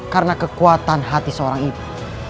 karena kekuatan hati seorang ibu